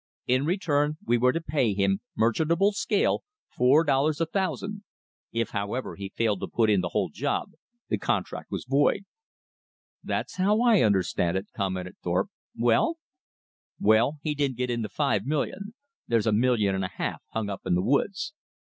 "In return we were to pay him, merchantable scale, four dollars a thousand. If, however, he failed to put in the whole job, the contract was void." "That's how I understand it," commented Thorpe. "Well?" "Well, he didn't get in the five million. There's a million and a half hung up in the woods."